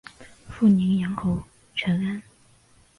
父宁阳侯陈懋。